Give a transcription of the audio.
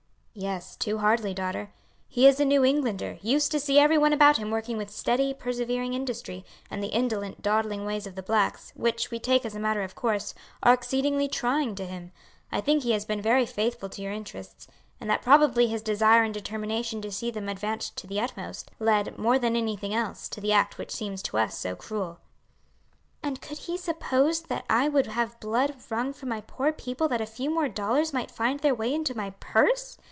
"Yes, too hardly, daughter. He is a New Englander, used to see every one about him working with steady, persevering industry, and the indolent, dawdling ways of the blacks, which we take as a matter of course, are exceedingly trying to him. I think he has been very faithful to your interests, and that probably his desire and determination to see them advanced to the utmost, led, more than anything else, to the act which seems to us so cruel." "And could he suppose that I would have blood wrung from my poor people that a few more dollars might find their way into my purse?"